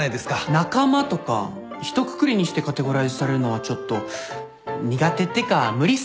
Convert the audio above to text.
仲間とかひとくくりにしてカテゴライズされるのはちょっと苦手っていうか無理っすね。